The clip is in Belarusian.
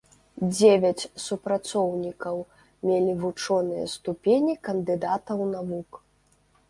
Дзевяць супрацоўнікаў мелі вучоныя ступені кандыдатаў навук.